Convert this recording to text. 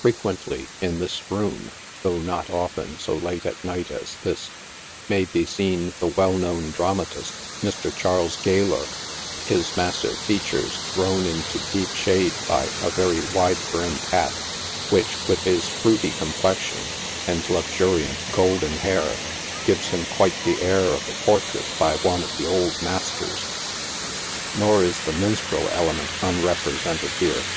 Frequently, in this room, though not often so late at night as this, maybe seen the well known dramatist, Mr. Charles Gaylor, his massive features thrown into deep shade by a very wkle brimmed hat, which, with his fraity complexion, and luxuriant golden hair, gives him quite the air of a portrait by one of the old masters. Nor is the minstrel element unrepresented here.